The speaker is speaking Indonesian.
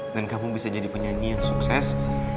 dan kamu bisa jadi penyanyi yang sukses